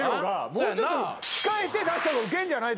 もうちょっと控えて出した方がウケんじゃないですかって。